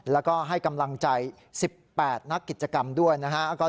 แล้วก็ให้กำลังใจ๑๘นักกิจกรรมด้วยนะฮะ